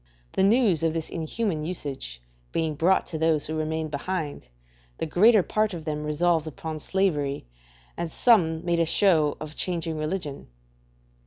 The news of this inhuman usage being brought to those who remained behind, the greater part of them resolved upon slavery and some made a show of changing religion.